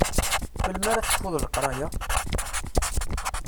Melmi ara tekfuḍ leqraya?